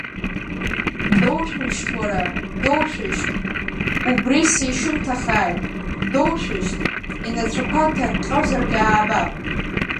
Доушәышьҭ, уара, доушәышьҭ, убри сишьымҭахааит, доушәышьҭ, инацәақәа ҭыҟьҟьозаргьы аабап!